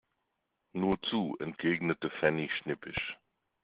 Nur zu, entgegnet Fanny schnippisch.